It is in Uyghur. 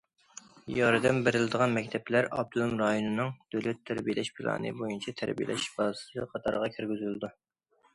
ياردەم بېرىلىدىغان مەكتەپلەر ئاپتونوم رايوننىڭ« دۆلەت تەربىيەلەش پىلانى» بويىچە تەربىيەلەش بازىسى قاتارىغا كىرگۈزۈلىدۇ.